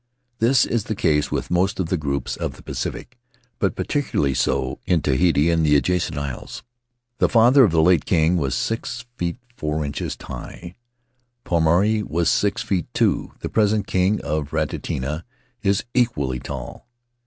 This is the case with most of the groups of the Pacific, but peculiarly so in Tahiti and the adjacent isles. The father of the late king was six feet four inches high; Pomare was six feet two. The present king of Raiatea is equally tall.